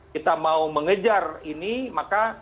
kita mau mengejar ini maka